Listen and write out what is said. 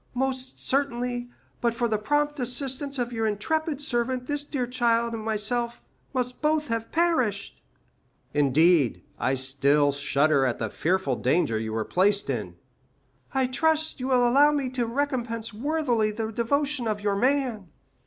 Most certainly, but for the prompt assistance of your intrepid servant, this dear child and myself must both have perished." "Indeed, I still shudder at the fearful danger you were placed in." "I trust you will allow me to recompense worthily the devotion of your man."